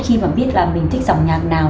khi mà biết là mình thích giọng nhạc nào